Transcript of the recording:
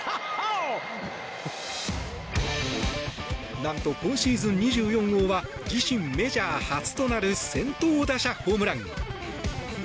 何と、今シーズン２４号は自身メジャー初となる先頭打者ホームラン。